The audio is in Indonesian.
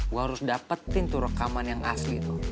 gue harus dapetin tuh rekaman yang asli itu